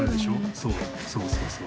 そうそうそうそう。